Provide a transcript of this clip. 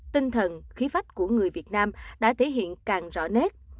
tinh thần khí phách của người việt nam đã thể hiện càng rõ nét